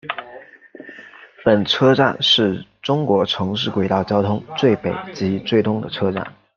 本车站是中国城市轨道交通最北及最东的车站。